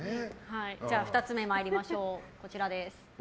２つ目参りましょう。